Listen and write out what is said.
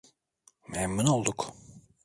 Memnun olduk.